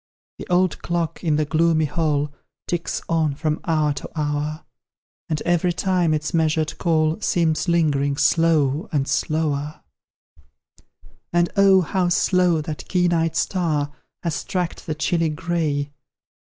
The old clock in the gloomy hall Ticks on, from hour to hour; And every time its measured call Seems lingering slow and slower: And, oh, how slow that keen eyed star Has tracked the chilly gray!